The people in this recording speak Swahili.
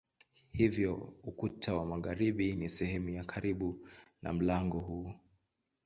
Hivyo ukuta wa magharibi ni sehemu ya karibu na mlango huu.